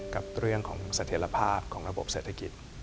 กับเรื่องของเสถียรภาพของระบบเศรษฐกิจ